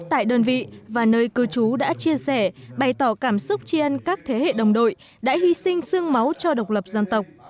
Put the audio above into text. tại đơn vị và nơi cư chú đã chia sẻ bày tỏ cảm xúc chiên các thế hệ đồng đội đã hy sinh xương máu cho độc lập dân tộc